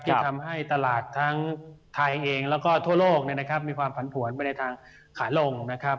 ที่ทำให้ตลาดทั้งไทยเองแล้วก็ทั่วโลกมีความผันผวนไปในทางขาลงนะครับ